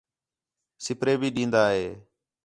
سپرے بھی ݙین٘دا ہے